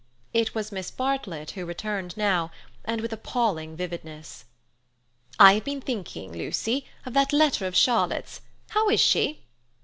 It was Miss Bartlett who returned now, and with appalling vividness. "I have been thinking, Lucy, of that letter of Charlotte's. How is she?"